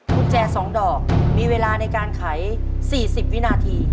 กุญแจ๒ดอกมีเวลาในการไข๔๐วินาที